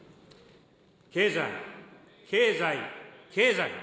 経済、経済、経済。